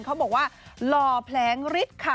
เขาบอกว่าหล่อแผลงฤทธิ์ค่ะ